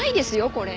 これ。